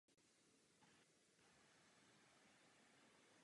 V suterénu budovy se nacházely provozní prostory domu.